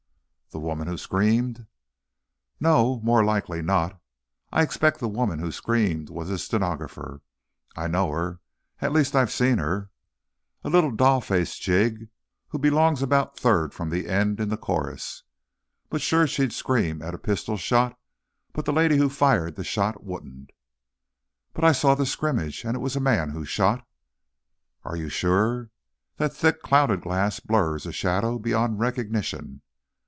"The woman who screamed?" "No: more likely not. I expect the woman who screamed was his stenographer. I know her, at least, I've seen her. A little doll faced jig, who belongs about third from the end, in the chorus! Be sure she'd scream at the pistol shot, but the lady who fired the shot wouldn't." "But I saw the scrimmage and it was a man who shot." "Are you sure? That thick, clouded glass blurs a shadow beyond recognition."